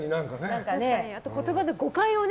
あと言葉で、誤解をね。